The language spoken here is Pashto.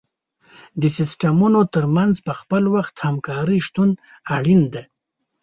د سیستمونو تر منځ په خپل وخت همکاري شتون اړین دی.